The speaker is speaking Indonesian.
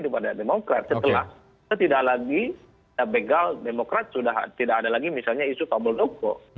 tidak ada demokrat setelah itu tidak lagi begal demokrat sudah tidak ada lagi misalnya isu pabuldoko